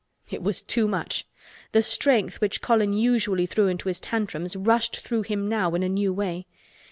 It was too much. The strength which Colin usually threw into his tantrums rushed through him now in a new way.